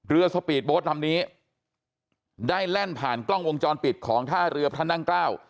สปีดโบสต์ลำนี้ได้แล่นผ่านกล้องวงจรปิดของท่าเรือพระนั่งเกล้า